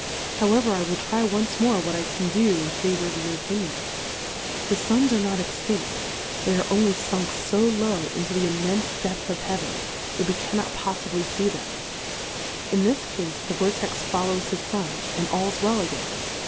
How ever, I will try once more what I can do in favour of your Opinion : The Suns are not extinft, they are only funk fo low into tlie immenfe depth of Heaven, that we cannot poffibly fee them ; in this Cafe the Vortex follows his Sun and alPs well again.